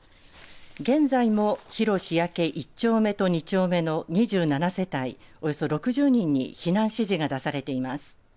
現在も広塩焼１丁目と２丁目の２７世帯、およそ６０人に避難指示が出されています。